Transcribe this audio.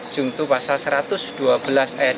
juntuh pasal satu ratus dua belas e dua